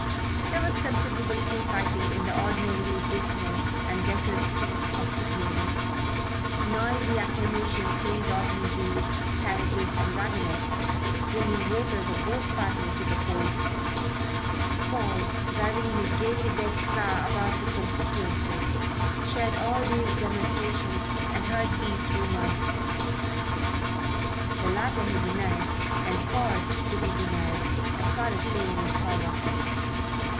There was considerable free fighting in the ordinarily dismal and decorous streets of Hickney Heath. Noisy acclamations hailed the automobiles, carriages and waggonettes bringing voters of both parties to the polls. Paul, driving in his gaily decked car about the constituency, shared all these demonstrations and heard these rumours. The latter he denied and caused to be denied, as far as lay in his power.